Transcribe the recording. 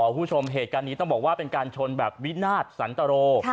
คุณผู้ชมเหตุการณ์นี้ต้องบอกว่าเป็นการชนแบบวินาศสันตรโร